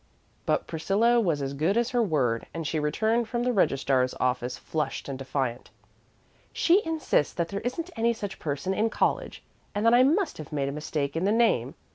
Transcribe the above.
But Priscilla was as good as her word, and she returned from the registrar's office flushed and defiant. "She insists that there isn't any such person in college, and that I must have made a mistake in the name!